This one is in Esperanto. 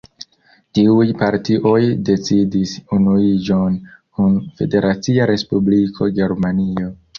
Tiuj partioj decidis unuiĝon kun Federacia Respubliko Germanio.